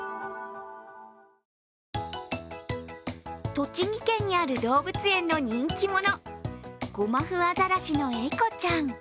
栃木県にある動物園の人気者ゴマフアザラシの笑子ちゃん。